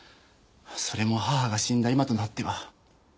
それも母が死んだ今となっては。